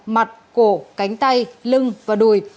mặt cổ cánh tay lưng và đùi